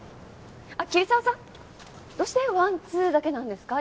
あっ桐沢さん！どうしてワンツーだけなんですか？